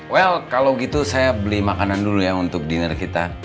well kalau gitu saya beli makanan dulu ya untuk dinner kita